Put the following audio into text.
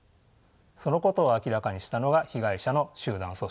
そのことを明らかにしたのが被害者の集団訴訟です。